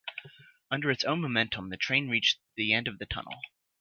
Under its own momentum the train reached the end of the tunnel.